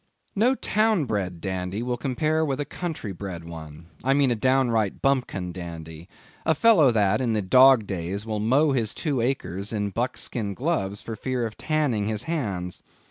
No town bred dandy will compare with a country bred one—I mean a downright bumpkin dandy—a fellow that, in the dog days, will mow his two acres in buckskin gloves for fear of tanning his hands.